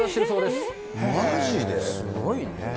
すごいね。